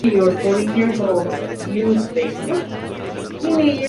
Terminado el liceo, se transfiere a Florencia, donde frecuenta la Academia de Arte.